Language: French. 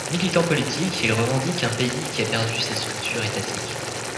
Militant politique, il revendique un pays qui a perdu ses structures étatiques.